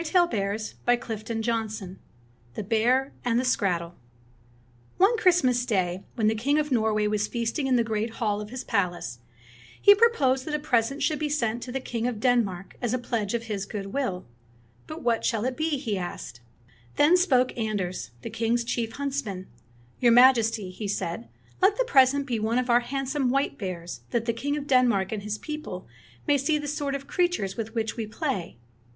THE BEAR AND THE SKRATTEL' t THE BEAR AND THE SKRATTEL O NE Christmas Day, when the king of Norway was feasting in the great hall of his palace, he proposed that a present should be sent to the King of Denmark as a pledge of his good will. ''But what shall it be.^^" he asked. Then spoke Anders, the king's chief hunts man. "Your Majesty," he said, "let the present be one of our handsome white bears, that the king of Denmark and his people may see the sort of creatures with which we play."